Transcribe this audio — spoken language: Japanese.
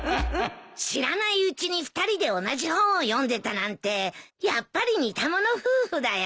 知らないうちに２人で同じ本を読んでたなんてやっぱり似た者夫婦だよ。